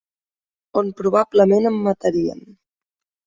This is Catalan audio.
...on probablement em matarien